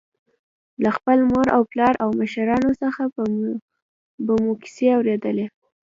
له خپل مور او پلار او مشرانو څخه به مو کیسې اورېدلې وي.